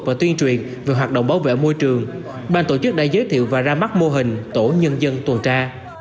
và tuyên truyền về hoạt động bảo vệ môi trường ban tổ chức đã giới thiệu và ra mắt mô hình tổ nhân dân tuần tra